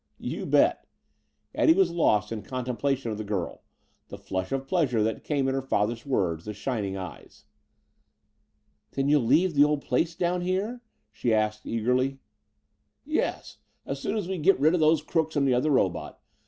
"You bet!" Eddie was lost in contemplation of the girl the flush of pleasure that came at her father's words; the shining eyes. "Then you'll leave the old place down here?" she asked eagerly. "Yes, as soon as we get rid of these crooks and the other robot.